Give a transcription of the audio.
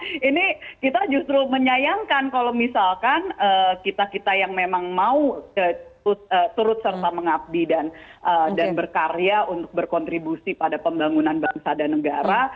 nah ini kita justru menyayangkan kalau misalkan kita kita yang memang mau turut serta mengabdi dan berkarya untuk berkontribusi pada pembangunan bangsa dan negara